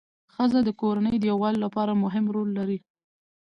ښځه د کورنۍ د یووالي لپاره مهم رول لري